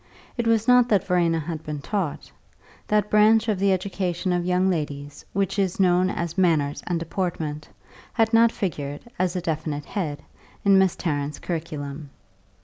It was not that Verena had been taught; that branch of the education of young ladies which is known as "manners and deportment" had not figured, as a definite head, in Miss Tarrant's curriculum.